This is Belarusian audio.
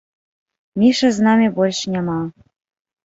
Мішы з намі больш няма.